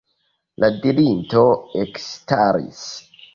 La dirinto ekstaris.